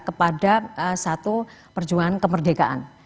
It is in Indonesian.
kepada satu perjuangan kemerdekaan